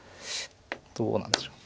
どうなんでしょう。